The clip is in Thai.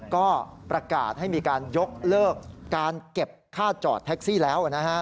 ก็ประกาศให้มีการยกเลิกการเก็บค่าจอดแท็กซี่แล้ว